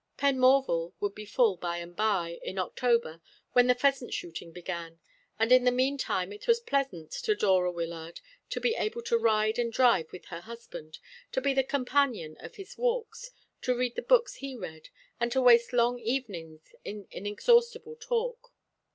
Penmorval would be full by and by, in October, when the pheasant shooting began; and in the mean time it was pleasant to Dora Wyllard to be able to ride and drive with her husband to be the companion of his walks, to read the books he read, and to waste long evenings in inexhaustible talk.